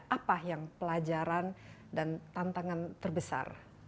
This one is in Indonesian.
apa yang pelajaran dan tantangan terbesar